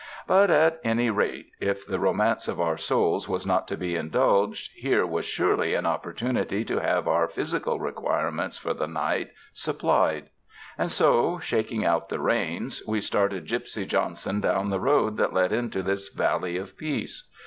But at any rate, if the romance of our souls was not to be indulged, here was surely an opportunity to have our physical requirements for the night sup plied; and so, shaking out the reins, we started Gypsy Johnson down the road that led into this val ley of peace.